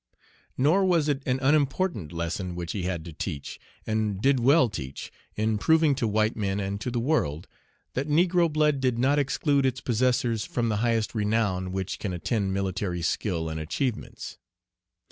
Nor was it an unimportant lesson which he had to teach, and did well teach, in proving to white men and to the world, that negro blood did not exclude its possessors from the highest renown which can attend military skill and achievements.